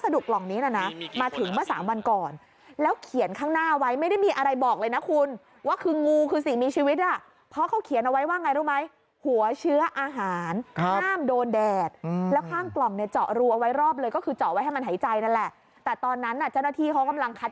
เดี๋ยวคุณดูช็อตนี้ค่ะ